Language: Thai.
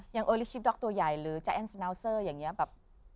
อย่างโอลิชิฟต๊อกตัวใหญ่หรือแจ๊งสนาวเซอร์อย่างนี้แบบ